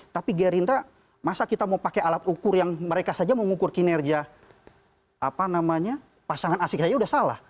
tapi gerindra masa kita mau pakai alat ukur yang mereka saja mengukur kinerja pasangan asik saja sudah salah